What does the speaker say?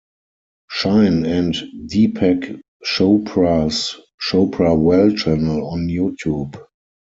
Shine and Deepak Chopra's Chopra Well channel on YouTube.